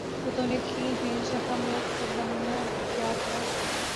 بتوں نے کی ہیں جہاں میں خدائیاں کیا کیا